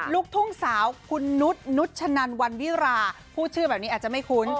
ลูกทุ่งสาวคุณนุษย์นุชนันวันวิราพูดชื่อแบบนี้อาจจะไม่คุ้น